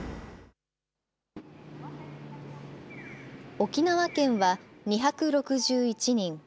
沖縄県は、２６１人。